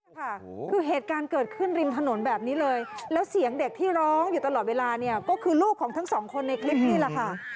คุณผู้ชมค่ะร้องอยู่ตลอดเวลาคือลูกของทั้งสองคนในคลิปนี้แหละค่ะ